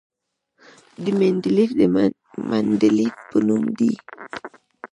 د مندلیفیم د مندلیف په نوم دی.